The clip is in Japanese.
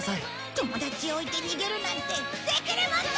友達を置いて逃げるなんてできるもんか！